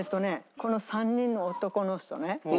この３人の男の人ね。